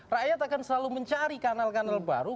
rakyat akan selalu mencari kanal kanal baru